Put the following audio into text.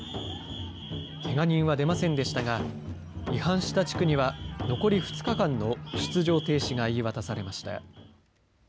けが人は出ませんでしたが、違反した地区には残り２日間の出場停止が言い渡されました。